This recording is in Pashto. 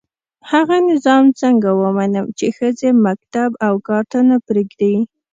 هغه نظام څنګه ومنم چي ښځي مکتب او کار ته نه پزېږدي